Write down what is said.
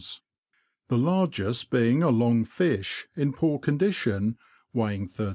the largest being a long fish, in poor con dition, weighing 131b.